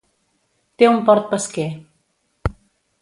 Té un port pesquer.